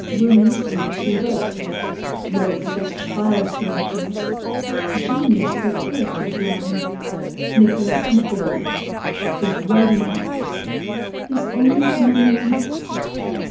—Rooms in which he wrote.—Love for his child characters.—Genius for character drawing.—Nicholas Nickleby.—His writing hours.—His only amanuensis.